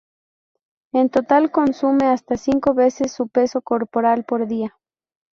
En total consume hasta cinco veces su peso corporal por día.